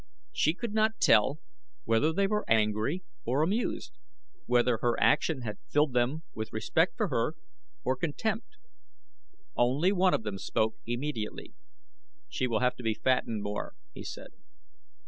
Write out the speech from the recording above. She could not tell whether they were angry or amused, whether her action had filled them with respect for her, or contempt. Only one of them spoke immediately. "She will have to be fattened more," he said.